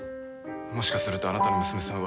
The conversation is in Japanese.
もしかするとあなたの娘さんは。